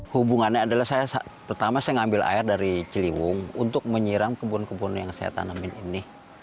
hubungannya adalah saya pertama saya mengambil air dari ciliwung untuk menyiram kebun kebun yang saya tanamin ini